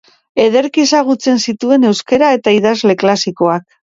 Ederki ezagutzen zituen euskara eta idazle klasikoak.